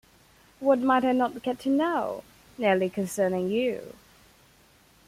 What might I not get to know, nearly concerning you?